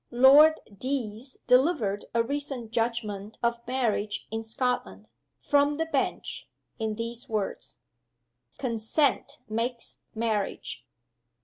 Lord Deas delivered a recent judgment of marriage in Scotland, from the bench, in these words: 'Consent makes marriage.